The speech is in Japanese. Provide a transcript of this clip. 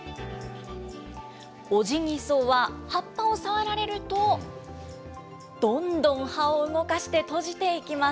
オジギソウは葉っぱを触られると、どんどん葉を動かして閉じていきます。